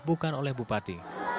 bukan oleh bupati